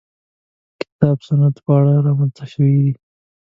کتاب سنت په اړه رامنځته شوې.